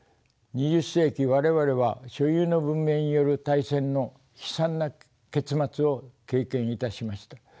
２０世紀我々は所有の文明による大戦の悲惨な結末を経験いたしました。